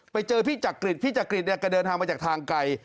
ไปเจอพี่จักริจพี่จักริตเนี่ยแกเดินทางมาจากทางไกล